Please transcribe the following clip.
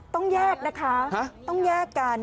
ต้องแยกนะคะต้องแยกกัน